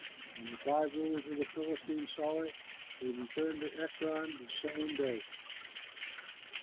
When the five rulers of the Philistines saw it, they returned to Ekron the same day.